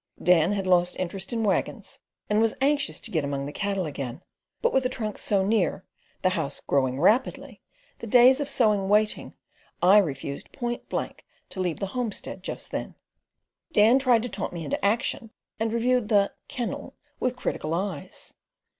Dan had lost interest in waggons, and was anxious to get among the cattle again; but with the trunks so near, the house growing rapidly, the days of sewing waiting, I refused point blank to leave the homestead just then. Dan tried to taunt me into action, and reviewed the "kennel" with critical eyes.